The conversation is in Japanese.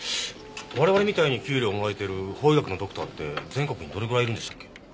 我々みたいに給料もらえてる法医学のドクターって全国にどれぐらいいるんでしたっけ？